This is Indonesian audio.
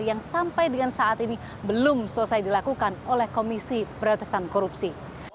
yang sampai dengan saat ini belum selesai dilakukan oleh komisi beratasan korupsi